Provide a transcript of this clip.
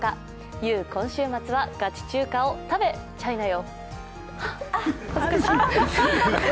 ユー、今週末はガチ中華を食べチャイナよ！